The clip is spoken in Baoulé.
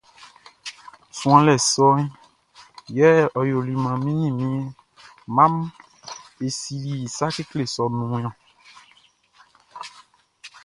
Suanlɛ sɔʼn yɛ ɔ yoli maan mi ni mi mma mun e sinnin sa kekle sɔʼn nun ɔn.